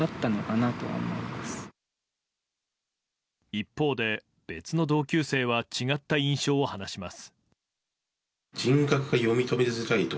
一方で、別の同級生は違った印象を話します。